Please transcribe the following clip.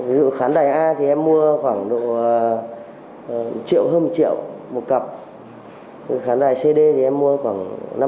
ví dụ khán đài a thì em mua khoảng một triệu hơn một triệu một cặp khán đài cd thì em mua khoảng năm sáu trăm linh